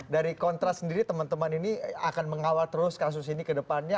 dari kontras sendiri teman teman ini akan mengawal terus kasus ini ke depannya